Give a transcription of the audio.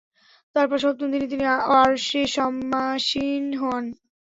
তারপর সপ্তম দিনে তিনি আরশে সমাসীন হন।